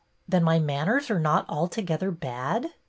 '' Then my manners are not altogether bad?